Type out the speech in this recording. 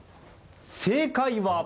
正解は。